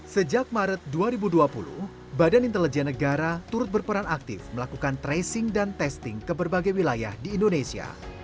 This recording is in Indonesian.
sejak maret dua ribu dua puluh badan intelijen negara turut berperan aktif melakukan tracing dan testing ke berbagai wilayah di indonesia